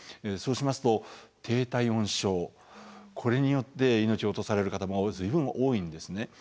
そうしますと低体温症これによって命を落とされる方が随分多いんですね。